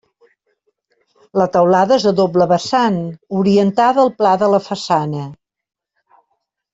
La teulada és a doble vessant, orientada al pla de la façana.